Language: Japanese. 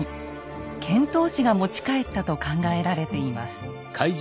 遣唐使が持ち帰ったと考えられています。